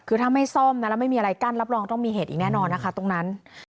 คือถ้าไม่ซ่อมนะแล้วไม่มีอะไรกั้นรับรองต้องมีเหตุอีกแน่นอนนะคะตรงนั้น